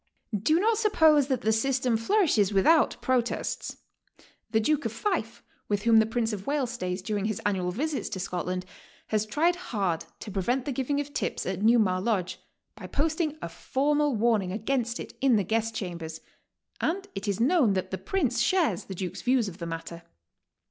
Do not suppose that the system flourishes without pro tests. The Duke of Fife, with whom the Prince of Wales stays during his annual visits to Scotland, has tried bard to prevent the giving of tips at New Mar Lodge, by posting a formal warning against it in the guest chambers, and it is known that the Prince shares the Duke's views of the matter.